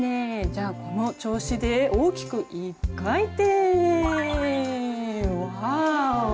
じゃあこの調子で大きく一回転。わお。